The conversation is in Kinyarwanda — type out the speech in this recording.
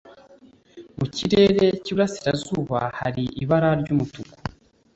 Mu kirere cy'iburasirazuba hari ibara ry'umutuku.